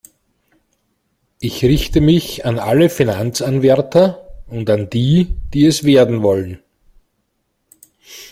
Ich richte mich an alle Finanzanwärter und an die, die es werden wollen.